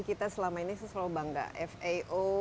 kita selama ini selalu bangga fao